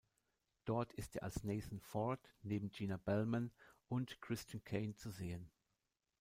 Dort ist er als "Nathan Ford" neben Gina Bellman und Christian Kane zu sehen.